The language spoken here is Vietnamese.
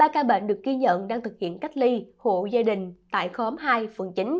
ba ca bệnh được ghi nhận đang thực hiện cách ly hộ gia đình tại khóm hai phường chín